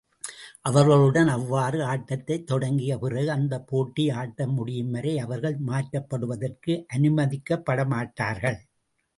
அவர்களுடன் அவ்வாறு ஆட்டத்தைத் தொடங்கிய பிறகு, அந்தப் போட்டி ஆட்டம் முடியும் வரை அவர்கள் மாற்றப்படுவதற்கு அனுமதிக்கப்பட மாட்டார்கள்.